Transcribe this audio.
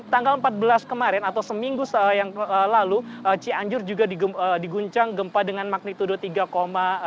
tanggal empat belas kemarin atau seminggu yang lalu cianjur juga diguncang gempa dengan magnitudo tiga empat